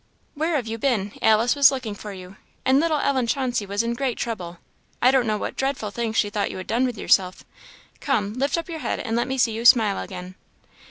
"Where have you been? Alice was looking for you, and little Ellen Chauncey was in great trouble. I don't know what dreadful thing she thought you had done with yourself. Come! lift up your head, and let me see you smile again."